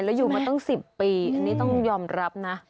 เมื่องสิบปีอันนี้ต้องยอมรับนะ